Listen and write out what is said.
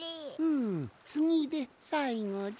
んつぎでさいごじゃ。